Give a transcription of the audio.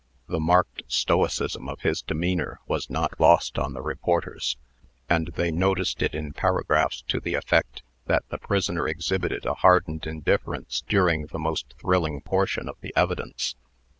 The marked stoicism of his demeanor was not lost on the reporters, and they noticed it in paragraphs to the effect that the prisoner exhibited a hardened indifference during the most thrilling portion of the evidence.